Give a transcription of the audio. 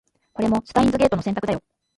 これもシュタインズゲートの選択だよ